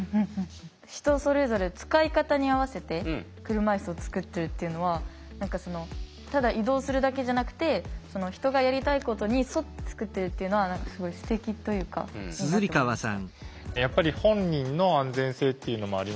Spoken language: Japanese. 人それぞれ使い方に合わせて車いすを作ってるっていうのはただ移動するだけじゃなくて人がやりたいことに沿って作ってるっていうのはすごいすてきというかいいなって思いました。